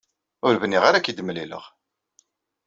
Ur bniɣ ara ad k-id-mlileɣ.